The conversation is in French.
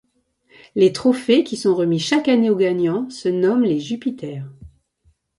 Les trophées qui sont remis chaque année aux gagnants se nomment les Jupiter.